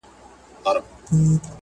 د نن ماشوم مو باید سلامت وي